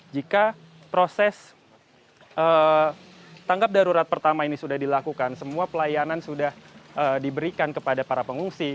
jika proses tanggap darurat pertama ini sudah dilakukan semua pelayanan sudah diberikan kepada para pengungsi